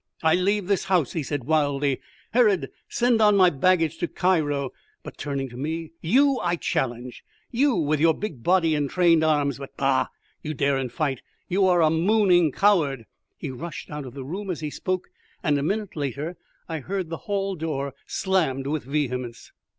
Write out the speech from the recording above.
"I leave this house," he said wildly. "Herod, send on my baggage to Cairo. But" turning to me "you I challenge you, with your big body and trained arms! But, bah! you dar'n't fight. You are a mooning coward." He rushed out of the room as he spoke, and a minute later I heard the hall door slammed with vehemence.